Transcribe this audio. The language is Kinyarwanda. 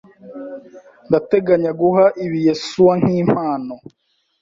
Ndateganya guha ibi Yesuwa nkimpano.